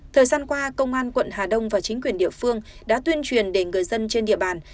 thời gian qua công an quận hà đông và chính quyền địa phương đã tuyên truyền để người dân trên địa bàn